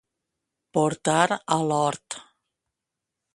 Portar a l'hort.